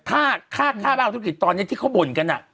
ถ้าค่าบ้านธุรกิจตอนนี้ที่เขาบ่นกัน